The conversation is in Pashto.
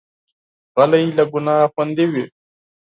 غلی، له ګناه خوندي وي.